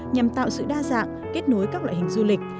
nhằm tạo sự đa dạng kết nối các loại hình du lịch